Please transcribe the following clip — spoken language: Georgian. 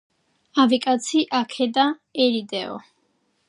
ავი კაცი, აქე და ერიდეო